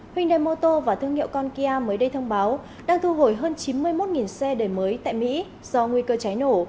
hyundai motor và thương hiệu konkia mới đây thông báo đang thu hồi hơn chín mươi một xe đầy mới tại mỹ do nguy cơ cháy nổ